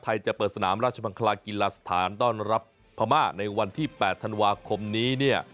จะเปิดสนามราชมังคลากีฬาสถานต้อนรับพม่าในวันที่๘ธันวาคมนี้เนี่ย